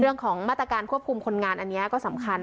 เรื่องของมาตรการควบคุมคนงานอันนี้ก็สำคัญ